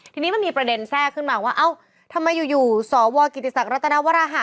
ทีนี้มันมีประเด็นแทรกขึ้นมาว่าเอ้าทำไมอยู่สวกิติศักดิรัตนวรหะ